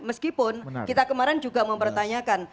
meskipun kita kemarin juga mempertanyakan